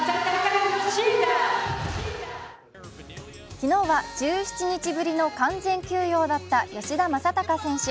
昨日は１７日ぶりの完全休養だった吉田正尚選手。